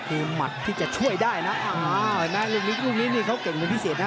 มีหมัดที่จะช่วยได้นะเห็นไหมลูกนี้ลูกนี้นี่เขาเก่งเป็นพิเศษนะ